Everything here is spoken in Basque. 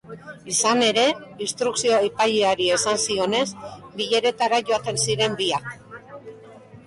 Izan ere, instrukzio epaileari esan zionez, bileretara joaten ziren biak.